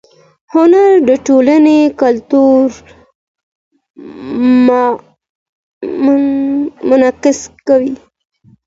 هنر د ټولنې کلتور منعکس کوي.